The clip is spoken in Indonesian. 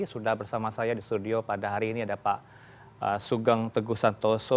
sudah bersama saya di studio pada hari ini ada pak sugeng teguh santoso